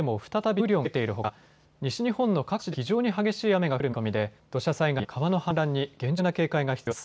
雨量が増えているほか西日本の各地で非常に激しい雨が降る見込みで土砂災害や川の氾濫に厳重な警戒が必要です。